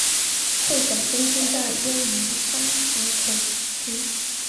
会展中心站位于沙河口区。